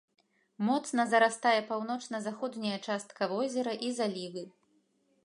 Моцна зарастае паўночна-заходняя частка возера і залівы.